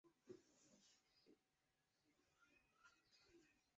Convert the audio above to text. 草间大作与另一生还乘客岚十郎漂流至附近荒岛。